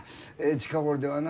近頃ではな